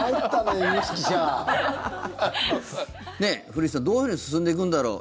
古市さん、どういうふうに進んでいくんだろう？